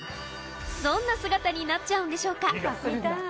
どんな姿になっちゃうんでしょうか。